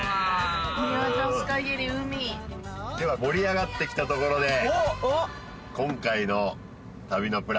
見渡すかぎり海では盛り上がってきたところでおっ今回の旅のプラン